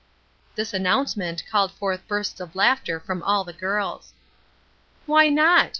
This announcement called forth bursts of laughter from all the girls. "Why not?"